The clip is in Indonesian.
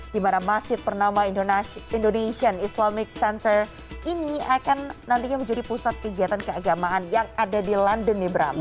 dimana masjid bernama indonesian islamic center ini akan nantinya menjadi pusat kegiatan keagamaan yang ada di london ibrahim